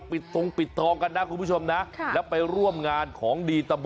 สงปิดท้องกันนะคุณผู้ชมนะจะไปร่วมงานของดีตะบ